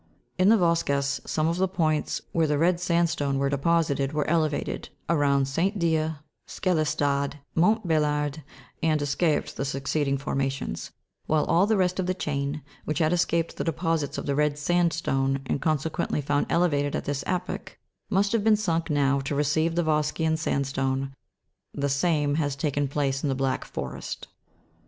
In the Vosges some of the points where the red sandstone was deposited were elevated, around Saint Die, Schelestadt, Montbelliard, and escaped the succeeding formations ; while all the rest of the chain, which had escaped the deposits of the red sandstone, and consequently found elevated at this epoch, must have been sunk now to receive the vosgean sandstone : the same has taken place in the Black Forest.